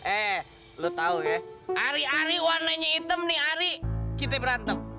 eh lo tau ya hari hari warnanya hitam nih hari kita berantem